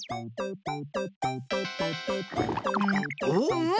お？